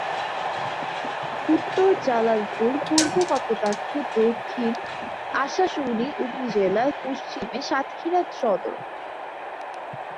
উঃ-জালালপুর, পূঃ-কপোতাক্ষ, দঃ আশাশুনি উপজেলা, পশ্চিমে সাতক্ষীরা সদর।